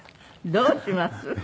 どうします？